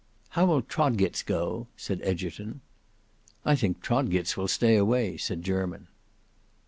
"How will Trodgits go?" said Egerton. "I think Trodgits will stay away," said Jermyn.